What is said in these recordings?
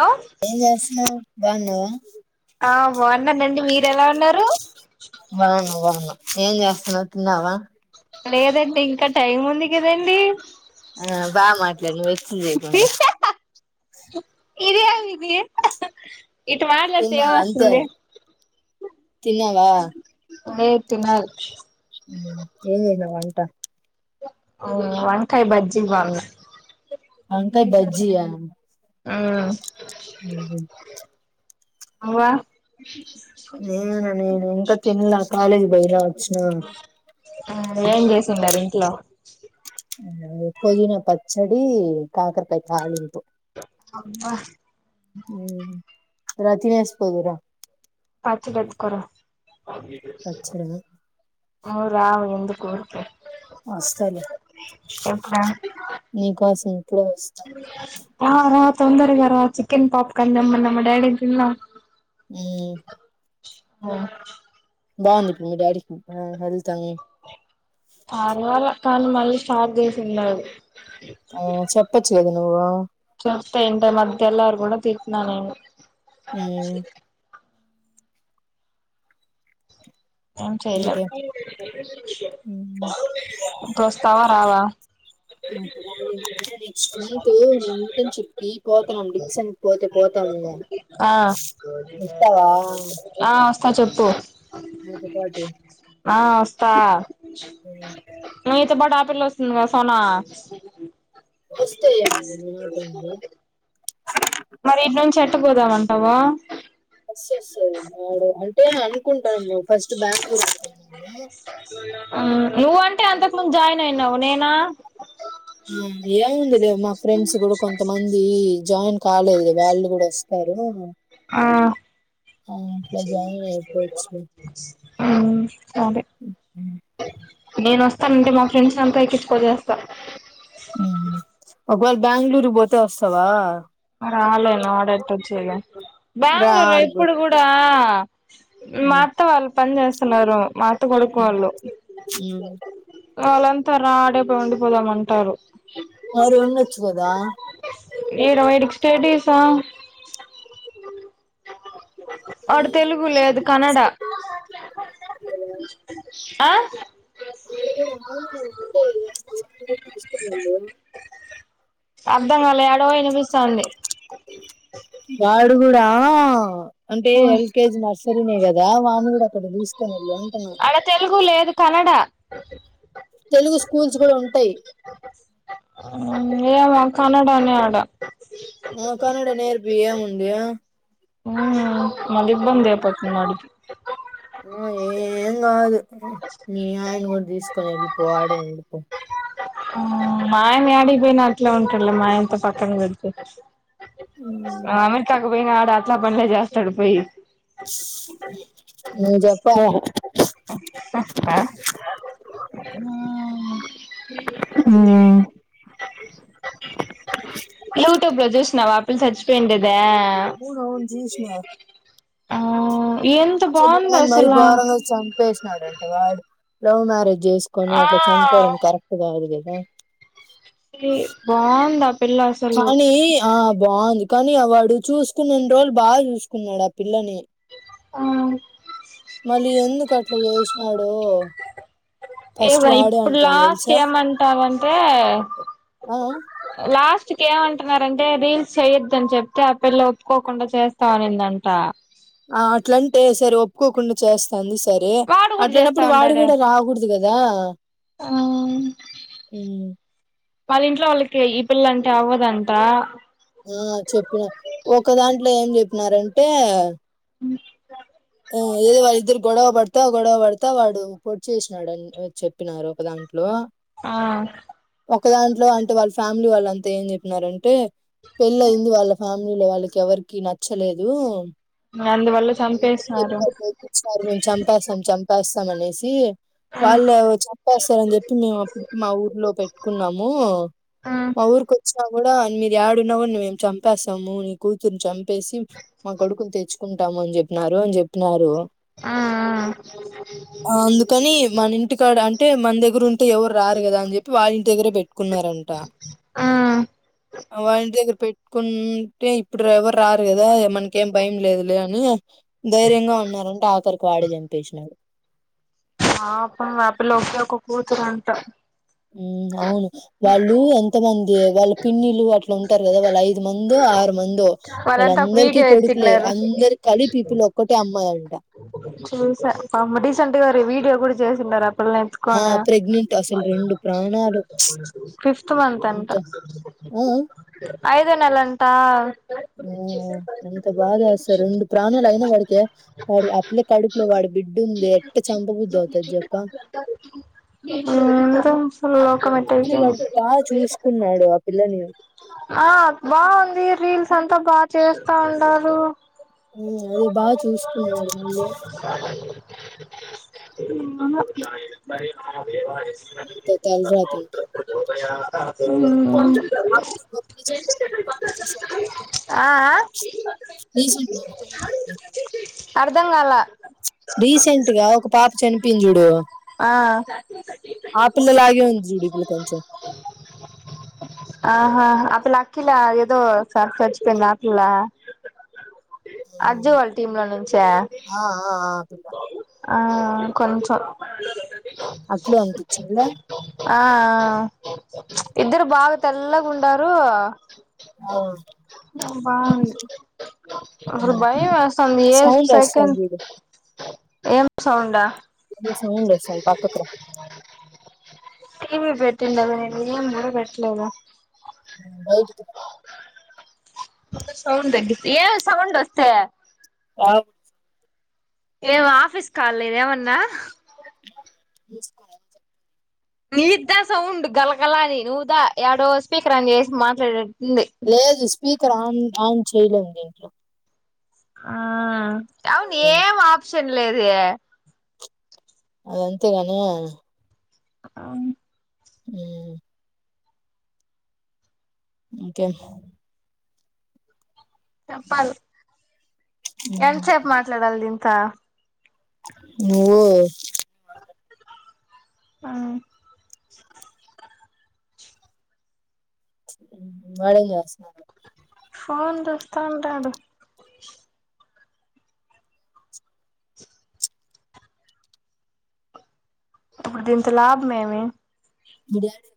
Hello ఏం చేస్తున్నావ్ బాగున్నావా ఆ బాగున్నాండి మీరు ఎలా ఉన్నారు బాగున్నా బాగున్నా ఏం చేస్తున్నావు తిన్నావా లేదండి ఇంకా టైం ఉంది కదండి ఆ బాగా మాట్లాడు నువ్ హేక్చ్చ చేయకుండా ఇదె ఇది ఇట్లా మాట్లాడితే ఏం తిన్నావా అంతే వస్తుంది తిన్నావా లే తినాలి మ్ ఏం చేసావ్ వంట అవునా వంకాయ్ బజ్జీ బోండా వంకాయ ఉ ఊహు అవ్వా లేనేను నేనింకా తిన్లా కాలేజ్ కి బోయి రావాలి ఆ ఏం చేసిండారు ఇంట్లో పుదీనా పచ్చడీ కాకరకాయ తాలింపు ఉమ్మా ఉ రా తినేసి పోదువు రా పచ్చడి ఎత్కు రా పచ్చడా నువ్ రావ్ ఎందుకు ఊరికే వస్తాలే ఎప్పుడా నీకోసం ఇప్పుడే వస్తా రా రా తొందరగా రా చికెన్ పాప్కన్ తెమ్మన్న మా డాడీ ని తిందాం ఉ ఆ బాగుందిప్పుడు మీ డాడీకి ఆ హెల్త్ అన్నీ పర్వాలే కానీ మళ్ళీ స్టార్ట్ చేసిండు మళ్ళీ ఉ చెప్పొచ్చు గదా నువ్వు ఇంట మధ్యలార్ గూడా తిట్ న నేను ఉమ్ ఏం చేయలేవ్ ఇంకేం? హ్మ్. ఇప్పుడు వస్తావా రావా నెక్స్ట్ మంతు మేంటర్న్షిప్ కి కూపన్ ఉంది సెన్ పోతె పోతాము ఆ వస్తావా ఆ చెప్పు నాతో పాటు? ఆ వస్తా హ్మ్. నీతో పాటు ఆ పిల్ల వస్తుంది కధ సనా వస్తే ఏమైంది అలవాటైంది మరి ఇట్ నుంచి ఎట్టపోదామంటావు అంటే అనుకుంటానామ్ ఫస్ట్ బెంగళూరు అడుత్తమయింది నువ్వంటే అంతకు ముందు జాయిన్ అయినావు నేనా ఉ ఏముందిలే మా ఫ్రెండ్స్ కూడా కొంతమందీ జాయిన్ కాలేదుగా వాళ్ళు కూడా వస్తా సరే మరి ఆ ఆ జాయిన్ అయిపోవచ్చులే. సరే హ్మ్. నేనొస్తానంటే మా ఫ్రెండ్స్ అంత ఎక్కించుకొని వస్తా ఒకవేళ బెంగళూరు కి పోతే వస్తావా రాలేను ఆడెట్టచ్చేగా రా బెంగళూరులో ఆడికి పో ఇప్పుడు కూడా మా హ్మ్. అత్త వాళ్ పని చేస్తున్నారు మా అత్త కొడుకు హ్మ్. వాళ్ళు హ్మ్. వాళ్ళంతా రా పా ఆడే ఉండిపోదామంటారు మరి ఉండొచ్చు కదా ఈడ వైడికి స్టేడీసామ్ ఆడ తెలుగు లేదు కన్నడా ఆ ఆడు కూడా తెలుగు కదా వాటిని [unintelligible] తీసుకునెళ్ళు [unintelligible] అర్ధం కాల ఏడో వినిపిస్తాంది వాడు కూడా అంటే ఎల్కేజి నర్సరీనే కదా వాని కూడా అక్కడ తీసుకుని ఆడ తెలుగు లేదు కన్నడా తెలుగు స్కూల్స్ కూడా ఉంటాయి ఏమో కానడానే ఆడ ఆ కన్నడ నేర్పి [unintelligible] మళ్ళీ ఇబ్బంది అయిపోతాదీ వాడికి ఆ ఏం కాదు మీ ఆయనను కూడా తీసుకని వెళ్ళిపో ఆడే ఉండిపో మాయని ఏడికిపోయిన అట్లా ఉంటాడు లే మాయతో పక్కన పెడితే అమెరికాకు పోయిన ఆడు అట్లా పనులే చేస్తాడు పోయి నువ్వు చెప్పాలా హ్మ్ యూట్యూబ్ లో చు చూసినవా ఆ పిల్ల చచ్చిపోయినదే అవును అవును చుసిన ఆ ఎంత బాగుందొ అసలా చంపేసినాడు అంట వాడు లవ్ మ్యారేజ్ చేసుకొని ఆ అట్లా చంపడం కరెక్ట్ కాదు కదా బాగుంది ఆ పిల్ల అసలు కానీ ఆ బాగుంది కానీ వాడు చూసుకున్నన్ని రోజులు బాగా చూసుకున్నాడు ఆ పిల్లని ఆ మళ్ళీ ఎందుకు అట్లా చేసినాడో ఫస్ట్ వాడే ఇప్పుడు అంటా లాస్ట్ తెలుసా ఏమంటారంటే ఆ లాస్ట్ లాస్ట్కి ఏమంటున్నారంటే రీల్స్ చెయొద్దుని చెప్తే ఆ పిల్ల ఒప్పుకోకుండా చేస్తామనిందంట ఆ అట్లంటే సరే ఒప్పుకోకుండా చేస్తాంది సరే వాడు కూడా చేస్తా అట్లానప్పుడు వాడు ఉంటాడే కూడా రాకూడదు కదా హ్మ్ వాళ్ళ ఇంట్లో వాళ్ళకి ఈ పిల్లంటే అవ్వదంట ఆ చెప్పిన ఒక దాంట్లో ఏం చెప్పినారంటే ఏదో వాళ్ళిద్దరు గొడవ పడతా గొడవ పడతా వాడు పొట్ చేసినాడని చెప్పినారు ఒకదాం ఆ ఒక దాంట్లో అంటే వాళ్ళ ఫ్యామిలీ వాళ్ళ అంతా ఏం చెప్పినారంటే పెళ్ళి అయింది వాళ్ళ ఫ్యామిలీలో వాళ్ళకి ఎవరికి నచ్చలేదు అందువల్ల అందుకే చంపేస్ మేము చంపేస్తాం చంపేస్తాం అనేసి వాళ్ళు చెప్పేస్తారని చెప్పి మేము అప్పటికి మా ఊర్లో పెట్టుకున్నాము మా ఆ ఊరు కొచ్చావ్ కూడ మీరు ఏడున్న కూడ మేము చంపేస్తాము నీ కూతుర్ని చంపేసి మా కొడుకుని తెచ్చుకుంటాము అని చెప్పి న్నారు అని చెప్పినారు [inaudible] అందుకని మన ఇంటికాడ అంటే మన దగ్గర ఉంటే ఎవరు రారు కదా అని చెప్పి వాళ్ళ ఇంటి దగ్గర పెట్టుకున్నార [unintelligible] కొంటే ఇప్పుడు ఎవరు రారు కదా మనకేం భయం లేదులే అని ధైర్యంగా ఉన్నారంటే ఆఖరికి వాడి చంపేసినాడు పాపం అ పిల్ల ఒకే ఒక కూతురు అంట ఉ అవును వాళ్ళు ఎంతమంది వాళ్ళ పిన్నిలు అట్లా ఉంటారు కదా వాళ్ళు ఐదు మందో ఆ ఆరు మందో వాళ్ళ వాళ్ళంతా ఒక అందరికీ వీడియో కొడుకులే ఎత్తిన్నారు అందరి కలిపి ఒక్కటే అమ్మాయి చూస రీసెంట్ గా వీడియో కూడ చేసిన్నారు ఇ ఆ! ఎత్తుకని ప్రెగ్నెంట్ అసలు ప్రాణాలు ఫిఫ్త్ మంత్స్ అంట ఉ ఉ ఐదో నెలా అంట ఓ ఎంత బాధ అసార్ రెండు ప్రాణాలు అయినా వాడికి అట్లే కడుకులో వాడి బిడ్డ ఉందే ఎట్ట చంపబుద్దు అవుతది జప్పు ఎంద ఫుల్ ఒక మట్ట కానీ వాడు బాగా చూసుకున్నాడు ఆ పిల్లని ఆ బాగుంది రీల్స్ అంతా బాగా చేస్తా ఉండారు అదే బాగ చూసుకున్నారుడు మళ్ళీ ఎంత తల రాతంటావు అ చవిసె ఆ ఆ అర్ధంకాల రీసెంట్గా ఒక పాప చనిపోయింది చూడు ఆ ఆపిల్లలాగే ఉంది చూడు ఇ పిల్ల కొంచెం ఆహా [unintelligible] ఆ అజ్జు వాళ్ళ టీమ్ లో నుంచా ఇల ఆ కొంచం అట్లే అనిపించింద ఆ ఇద్దరు బాగా తెల్లగుండారు ఆ బా అ ఉమ్. భయమేస్తది ఏ సౌండ్ వస్తాంది సెకండ్ చూడు ఏం సౌండ ఏందో సౌండ్ [unintelligible] టీవి పెట్టింద ఏం కూడ పెట్టలేదు బయటకి సౌడ్ తగ్గి ఏ సౌండ్ వస్తే అ ఏం ఆఫీస్ కాల్ లేద్ ఏమన్న మూస్కో [inaudible] నీద్దా సౌండ్ గలగల అని నువ్ దా ఎడో స్పీకర్ అన్ చేస్ మాట్లాడ ఉంది. లేదు స్పీకర్ ఆన్ ఆన్ చేయలేన్ దీంట్లో ఆ అవును ఏం ఆప్షన్ లేదే అయి అంతే గనా ఆ మ్ ఇంకా చెప్పాల్ ఎంతసేపు మాట్లాడాల్ దీంతా నువ్వు ఆ వాడేం చేస్తున్నాడు ఫోన్ చేస్తా ఉంటాడు. ఇప్పుడు దీంతో లాభమేమి మీ డాడీ [inaudible]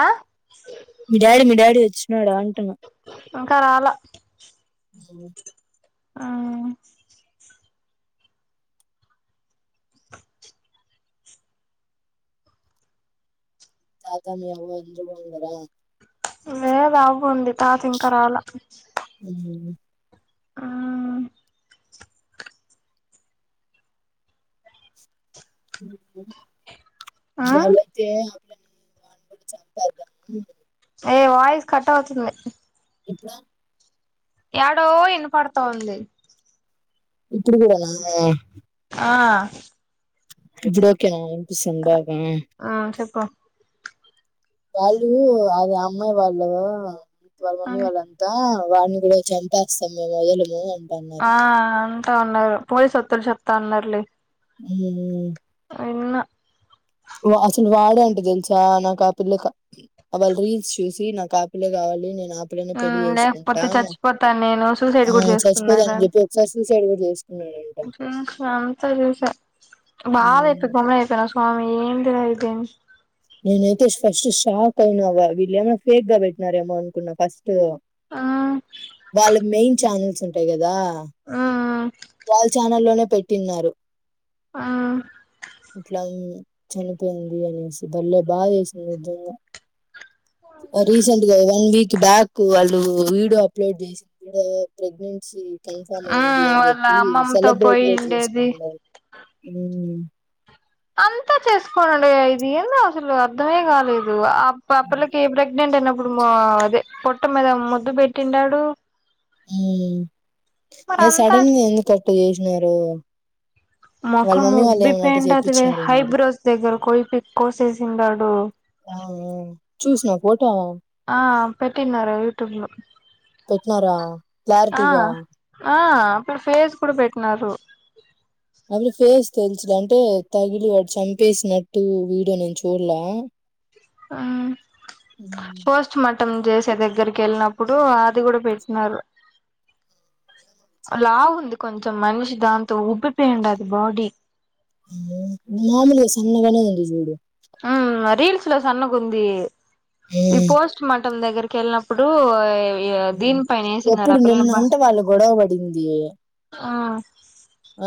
ఆ మీ డాడీ మీ డాడీ వచ్చినాడా అంటున్నా ఇంకా రాలా జ ఆ తాతా మీ అవ్వ మంచిగున్నరా లేద్ అవ్వుంది. తాత ఇంకా రాలా మ్ ఆ ఆ వాళ్ళైతే [inaudible] ఏ వాయిస్ కట్ అవుతుంది. ఇప్పుడా యాడో ఇన్పడ్త ఉంది. ఇప్పుడు కూడానా ఆ ఇప్పుడు ఓకే నా ఇన్పిస్తుంద్ బాగా ఉమ్ చెప్పు వాళ్ళు అదే అమ్మాయి వాళ్ళు వాళ్ళ మమ్మీ వాళ్ళంతా వాడిని కూడా చంపేస్తాం మేం వొదలము ఆ అంటా అన్నారు. పోలీస్ వత్తులు చెప్తా ఉన్నారులే మ్ ఇన్న వా అసలు వాడే అంట తెల్సా నాకా పిల్లక వాళ్ళ రీల్స్ చూసి సి నాకా పిల్లే కావాలి నేన్ ఆ పెళ్ళి ఉమ్ చేస్కుంటా, లేకపోతే చచ్చిపోతాను నేను సూసైడ్ ఆ కూడా సచ్చిపోద్ అని చెప్పి ఒక సారి సూసైడ్ కూడా చేస్ అంత చూస హ్మ్. [unintelligible] స్వామి ఏం తినది నేనైతే ఫస్ట్ షాక్ అయినవ వీళ్ళేమైన ఫేక్గా పెట్టినారేమో అనుకున్నా ఫస్ట్ వాళ్ళ మెయిన్ ఛానల్స్ ఉంటాయి కదా ఆ వాళ్ళ ఛానల్లోనే పెట్టిన్నారు ఆ ఆ ఇట్లా చనిపోయింది అనేసి బల్లే బాధేసింది నిజంగా ఓ రీసెంట్గా వన్ వీక్ బ్యాక్కు వాళ్ళు వీడియో అప్లోడ్ చేసి ప్రెగ్నెన్సీ కన్ఫామ్ ఆ అయింది అని వాళ్ళ చెప్పి అమ్మమ్మతో సెలబ్రేట్ పోయి కూడా ఉండేది చేస్తాన్నారు అవునా అంతా చేసుకోనడి ఇది ఏందో అసలు అర్ధమే కాలేదు పాపలకి ప్రెగ్నెంట్ అయినప్పుడు అదే పొట్ట మీద ముద్దు పెట్టిండు ఉ మీరు అంతా సడన్ గా ఎందు కట్టు చేసినారు వాళ్ళ మొఖం మమ్మీ వాళ్ళు ఏమన్నా అట్ట ఉబ్బిపోయిండేదా వే చేపించినారు హాయ్ మరి బ్రోస్ దగ్గర కోపి కోసేసి సిడాడు అవును చూసిన ఫోటో ఆ పెట్టిన్నారు యూట్యూబ్ లో పెట్టినారా ఆ క్లారిటీగా ఆ అప్పుడు పేస్ కూడా పెట్టినారు అది ఫేస్ తెలిసు అంటే తగిలి వాడు చంపేసినట్టు వీడియో నేను చూడలా ఆ ఉమ్. పోస్టు మా పట్టం చేసే దగ్గరికి వెళ్ళినప్పుడు అది కూడా పెట్టినారు లావు ఉంది కొంచెం మనిషి దాంతో ఉబ్బిపోయండు అది బాడీ మూడు అ రీల్స్ లో సన్నగుంది ఈ పోస్ట్ మ మటమ్ దగ్గరికి వెళ్ళినప్పుడు ఏ దీనిపైన వేసినారు ఎప్పుడు ఆ పిల్లను నిన్న అబ్బా అంటే వాళ్ళు గొడవ పడింది ఆ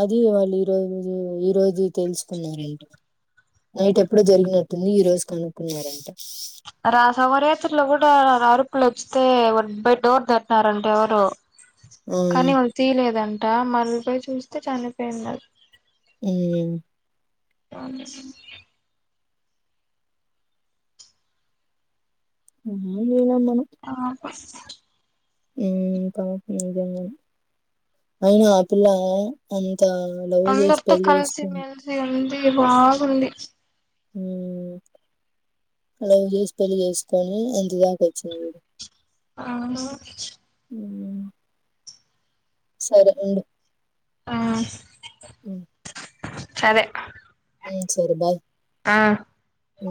అది వాళ్ళు ఈరోజు ఈరోజు తెలుసుకున్నారంట నైట్ ఎప్పుడో జరిగినట్టుంది ఈ రోజు కనుక్కున్నారంట అయితే వాళ్ళు బోయి డోర్ తట్టినారంటే ఎవరు ఆ కానీ మ్మ్ వాళ్ళు తీయలేదంట మలపోయి చూస్తే చనిపోయిన్నా హు అ [inaudible] నేను పోయిన అమ్మ ఆ బస్ హు పాపం నిజంగానే అయినా అ పిల్ల అ తా లవ్ చేసి పెళ్ళి చేసుకుంది ఇది బాగుంది హు లవ్ చేసి పెళ్లి చేసుకొని ఎంత దాకా వచ్చింది చుడు అవును సరే ఉండు ఆ హు సరే హు సరే బాయ్ ఆ హు